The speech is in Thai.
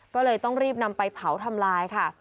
ก็เลยต้องรีบนำไปเผาทำลายค่ะ